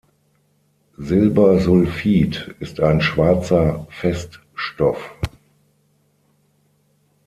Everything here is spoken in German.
Silbersulfid ist ein schwarzer Feststoff.